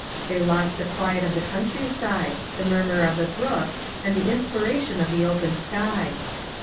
They lost the quiet of the country side, the murmur of the brook and the inspiration of the open sky.